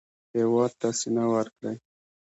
هېواد ته سینه ورکړئ